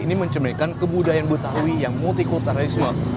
ini menceminkan kebudayaan betawi yang multi kulturnya